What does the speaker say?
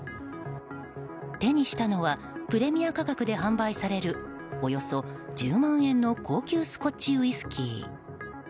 手にしたのはプレミア価格で販売されるおよそ１０万円の高級スコッチウイスキー。